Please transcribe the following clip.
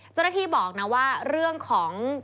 เจ้าหน้าที่บอกนะว่าเรื่องของ